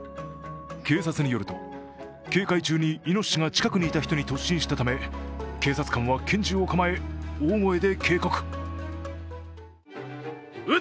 警察によると、警戒中にイノシシが近くにいた人に突進したため警察官は拳銃を構え、大声で警告。